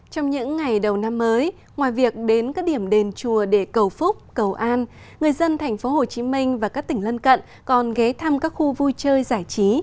trong những ngày đầu năm mới ngoài việc đến các điểm đền chùa để cầu phúc cầu an người dân tp hcm và các tỉnh lân cận còn ghé thăm các khu vui chơi giải trí